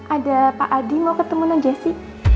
ada pak adi mau ketemu dengan jessy